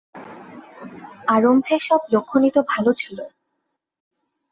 আরম্ভে সব লক্ষণই তো ভালো ছিল।